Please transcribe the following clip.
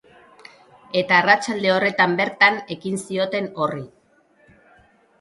Eta arratsalde horretan bertan ekin zioten horri.